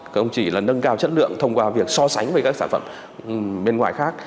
không chỉ là nâng cao chất lượng thông qua việc so sánh với các sản phẩm bên ngoài khác